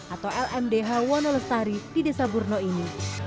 atau lmdh wonolestari di desa burno ini